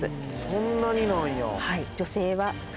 そんなになんや！